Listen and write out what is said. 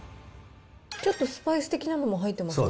ちょっとスパイス的なものも入ってますか？